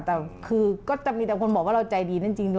แต่คือก็จะมีแต่คนบอกว่าเราใจดีนั่นจริงเน